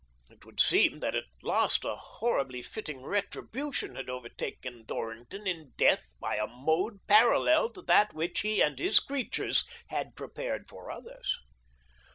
It would seem that at last a horribly fitting retribution had overtaken Dorrington in death by a mode parallel to that which he and his creatures had prepared for others.